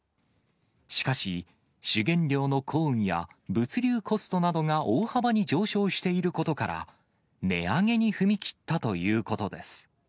しかし、主原料のコーンや物流コストなどが大幅に上昇していることから、値上げに踏み切ったということです。